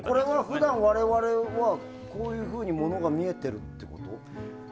普段、我々はこういうふうにものが見えてるってこと？